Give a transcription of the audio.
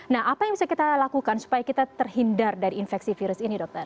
nah apa yang bisa kita lakukan supaya kita terhindar dari infeksi virus ini dokter